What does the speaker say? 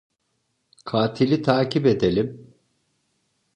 Katili takip edelim…